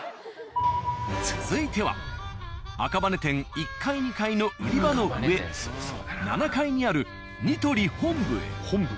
続いては赤羽店１階２階の売り場の上７階にある「ニトリ」本部へ。